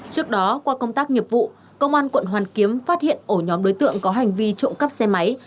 trước đó qua công tác nghiệp vụ công an quận hoàn kiếm phát hiện ổ nhóm đối tượng có hành vi trộm cắp xe máy